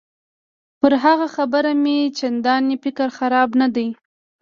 پر هغه خبره مې چندان فکر خراب نه دی.